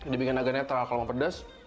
dibikin agak netral kalau mau pedas